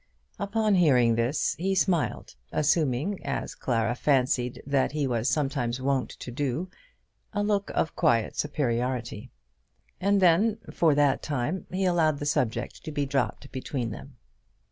Upon hearing this he smiled, assuming, as Clara fancied that he was sometimes wont to do, a look of quiet superiority; and then, for that time, he allowed the subject to be dropped between them.